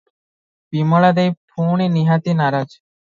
ବିମଳା ଦେଇ ପୁଣି ନିହାତି ନାରାଜ ।